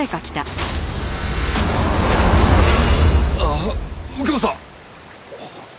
あっ右京さん！